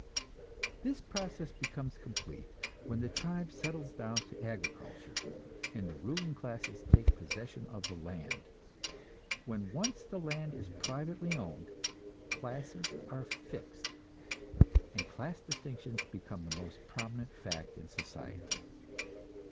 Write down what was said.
This process becomes complete when the tribe settles down to agriculture, and the ruling classes take possession of the land. When once the land is privately owned, classes are fixed, and class distinctions become the most prominent fact in society.